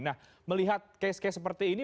nah melihat kes kes seperti ini